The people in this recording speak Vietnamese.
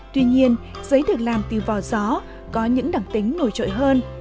tuy nhiên giấy được làm từ vò gió có những đặc tính nổi trội hơn